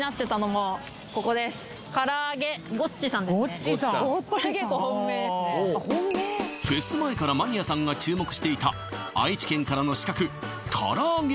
はごっちさんフェス前からマニアさんが注目していた愛知県からの刺客からあげ！